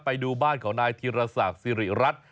ไปดูบ้านของนายธีรศักดิ์สิริรัตน์